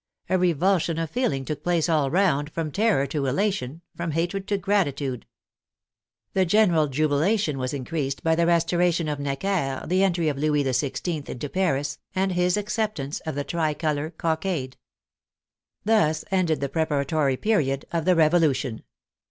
A revulsion of feeling took place all round, from terror to elation, from hatred to gratitude. The general jubilation was increased by the restoration of Necker, the entry of Louis XVL into Paris, and his acceptance of the tricolor cockade. Thus ended the preparatory period of the Revolution.